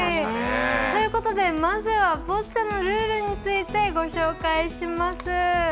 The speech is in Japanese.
ということでまずはボッチャのルールについてご紹介します。